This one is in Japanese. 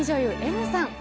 Ｍさん。